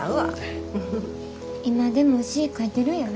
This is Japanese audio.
今でも詩ぃ書いてるんやろ？